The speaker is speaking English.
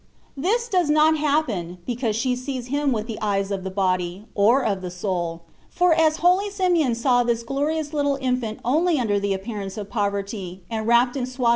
This does not happen, because she sees Him with the eyes of the body, or of the soul ; for as holy Simeon saw this glorious little Infant only imder the appearance of poverty, and wrapped in swad 150 THE WAY OP PERFECTION.